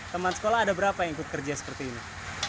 teman sekolah ada berapa yang ikut kerja seperti ini